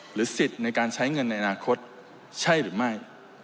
สิทธิ์ในการใช้เงินในอนาคตใช่หรือไม่